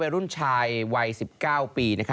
รุ่นชายวัย๑๙ปี